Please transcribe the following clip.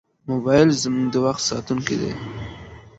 موبایل زموږ د وخت ساتونکی دی.